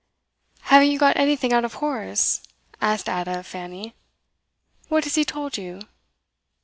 'Haven't you got anything out of Horace?' asked Ada of Fanny. 'What has he told you?